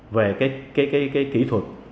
về cái kỹ thuật